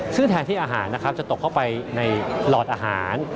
ซึ่งแทนที่อาหารนะครับจะตกเข้าไปในหลอดอาหาร